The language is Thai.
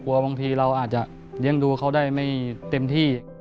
กลัวบางทีเราอาจจะเรียนรู้เขาได้ไม่เต็มที่